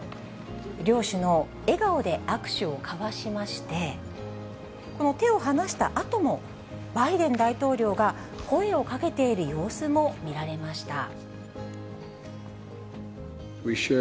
両首脳、笑顔で握手を交わしまして、この手を離したあとも、バイデン大統領が声をかけている様子も見られました。